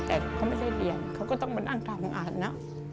แต่เขาไม่ได้เรียนเขาก็ต้องมานั่งทำอ่านนะ